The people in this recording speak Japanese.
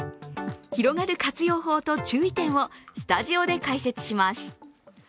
広がる活用法と注意点をスタジオで解説します。